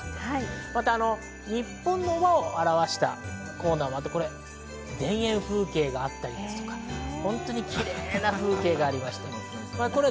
また日本の和を表したコーナーもあって、田園風景があったりですとか、本当にキレイな風景がありました。